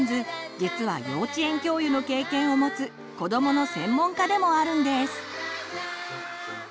実は幼稚園教諭の経験をもつ子どもの専門家でもあるんです。